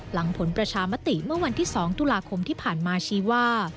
หลังผลประชามติเมื่อวันที่๒ตุลาคมที่ผ่านมาชี้ว่า